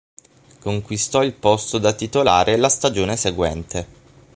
Conquistò il posto da titolare la stagione seguente.